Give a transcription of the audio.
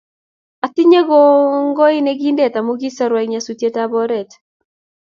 Atinye koingoi nekindet amu kisorwo eng nyasutiet ab oret